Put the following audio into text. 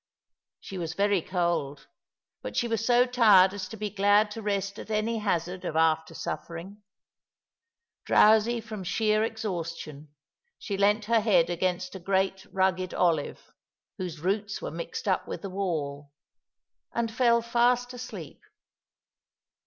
She was very cold, but she was so tired as to be glad to rest at any hazard of after suffering. Drowsy from sheer exhaustion, she leant her head against a great rugged olive,' whose roots were mixed up with the wall, and fell fast asleep.